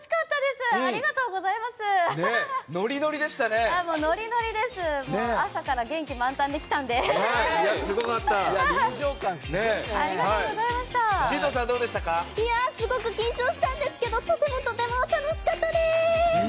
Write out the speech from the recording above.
すごく緊張したんですけどとてもとても楽しかったです！